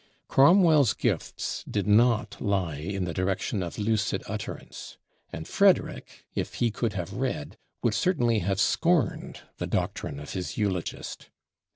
Cromwell's gifts did not lie in the direction of lucid utterance; and Frederick, if he could have read, would certainly have scorned, the doctrine of his eulogist.